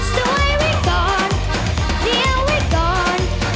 สวยไว้ก่อนเดี๋ยวไว้ก่อน